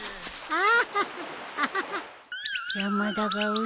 ああ。